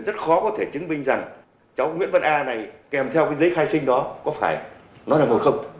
rất khó có thể chứng minh rằng cháu nguyễn văn a này kèm theo cái giấy khai sinh đó có phải nói là một không